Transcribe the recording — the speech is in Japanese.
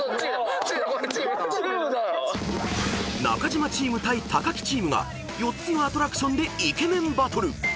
［中島チーム対木チームが４つのアトラクションでイケメンバトル］